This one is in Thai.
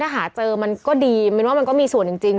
เพราะฉะนั้นถ้าหาเจอมันก็ดีมันก็มีส่วนจริง